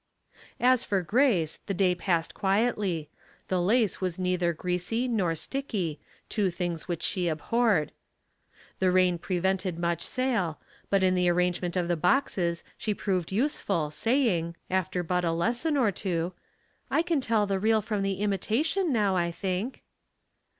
As for Grace, the day passed quietly ; the lace Laces and Duty, 843 was neither greasy nor sticky, two things which she abhorred ; the rain prevented much sale, but in the airangement of the boxes she proved useful, saying, after but a lesson or two, " I can tell the real from the imitation now, I think."